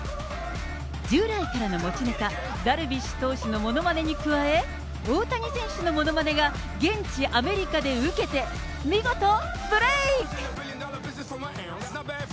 従来からの持ちネタ、ダルビッシュ投手のものまねに加え、大谷選手のものまねが現地アメリカで受けて、見事ブレーク。